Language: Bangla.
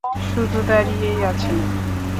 শুধু দাঁড়িয়েই আছেন।